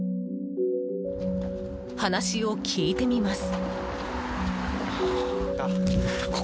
話を聞いてみます。